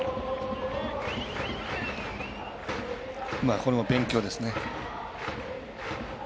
これも勉強ですね。